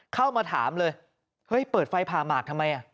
เข้ามาถามเลยเฮ้ยเปิดไฟผ่าหมากทำไม